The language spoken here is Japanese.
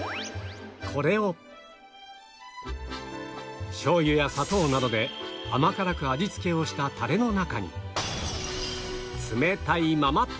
これをしょう油や砂糖などで甘辛く味付けをしたタレの中に冷たいまま投入